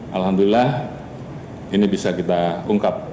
alhamdulillah ini bisa kita ungkap